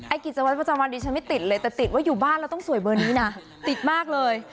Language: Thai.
กิจวัตรประจำวันดิฉันไม่ติดเลยแต่ติดว่าอยู่บ้านเราต้องสวยเบอร์นี้นะติดมากเลย